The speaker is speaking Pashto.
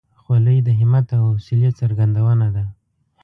خولۍ د همت او حوصلې څرګندونه ده.